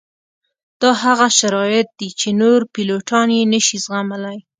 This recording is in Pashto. دا هغه شرایط دي چې نور پیلوټان یې نه شي زغملی